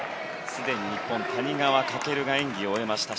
すでに日本、谷川翔が演技を終えました。